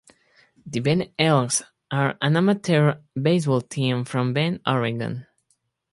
The Bend Elks are an amateur baseball team from Bend, Oregon.